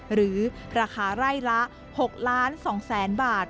หรือราคาไล่ละ๖๒๐๐๐๐๐บาท